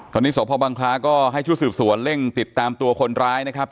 ตอนนี้สพบังคลาก็ให้ชุดสืบสวนเร่งติดตามตัวคนร้ายนะครับ